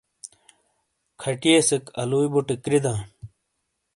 کھَٹِئیےسیک اَلُوئی بُوٹے کِرِداں۔